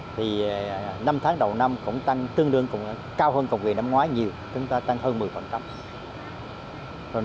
thì năm tháng đầu năm cũng tăng tương đương cao hơn công việc năm ngoái nhiều chúng ta tăng hơn một mươi